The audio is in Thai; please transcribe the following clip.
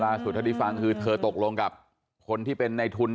เท่าที่ฟังคือเธอตกลงกับคนที่เป็นในทุน